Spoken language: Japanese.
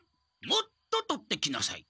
もっととってきなさい！